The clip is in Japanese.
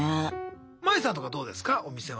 マイさんとかどうですかお店は。